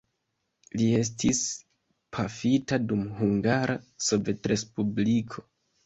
Li estis pafita dum Hungara Sovetrespubliko.